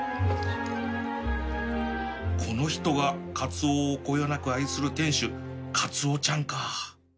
この人がカツオをこよなく愛する店主かつおちゃんか